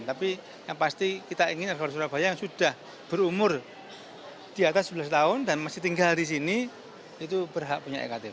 tapi yang pasti kita ingin agar surabaya yang sudah berumur di atas sebelas tahun dan masih tinggal di sini itu berhak punya ektp